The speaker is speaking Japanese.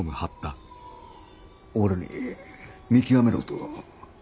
俺に見極めろと？